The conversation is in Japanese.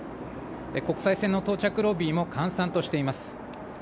国際線の到着ロビーも閑散としています。